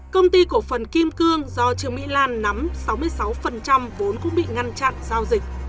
công ty cổ phần kim cương do trương mỹ lan nắm sáu mươi sáu vốn cũng bị ngăn chặn giao dịch